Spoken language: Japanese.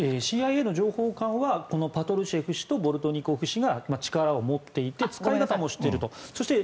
ＣＩＡの情報官はこのパトルシェフ氏とボルトニコフ氏が力を持っていて使い方も知っていると。